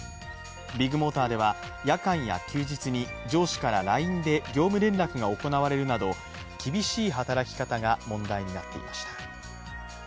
ビッグモーターでは、夜間や休日に上司からＬＩＮＥで業務連絡が行われるなど厳しい働き方が問題になっていました。